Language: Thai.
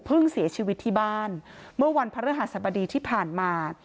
เสียชีวิตที่บ้านเมื่อวันพระฤหัสบดีที่ผ่านมา